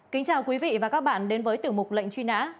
kính chào quý vị và các bạn đến với tiểu mục lệnh truy nã